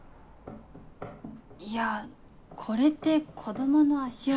いやこれって子供の足音。